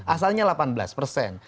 asalnya delapan belas persen